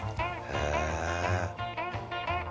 「へえ」